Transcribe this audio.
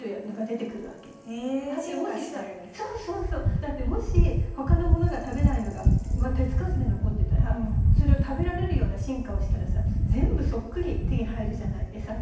だってもし他のものが食べないのが手付かずで残ってたらそれを食べられるような進化したらさ全部そっくり手に入るじゃない餌が。